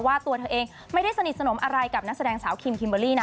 ตัวเธอเองไม่ได้สนิทสนมอะไรกับนักแสดงสาวคิมคิมเบอร์รี่นะ